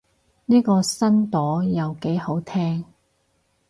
呢個新朵又幾好聽